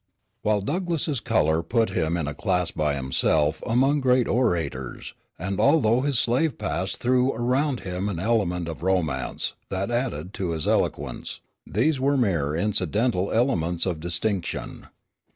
While Douglass's color put him in a class by himself among great orators, and although his slave past threw around him an element of romance that added charm to his eloquence, these were mere incidental elements of distinction.